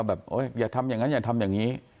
แบบอย่าทำอย่างนั้นอย่าทำอย่างนี้